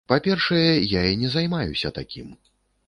Па-першае, я і не займаюся такім.